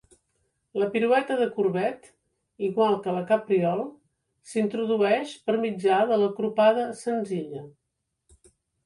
La pirueta de courbette, igual que la capriole, s'introdueix per mitjà de la croupade senzilla.